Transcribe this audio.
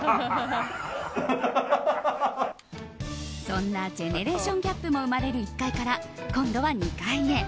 そんなジェネレーションギャップも生まれる１階から今度は２階へ。